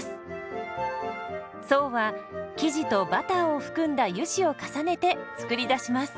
層は生地とバターを含んだ油脂を重ねて作り出します。